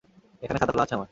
এখানে খাতা খোলা আছে আমার।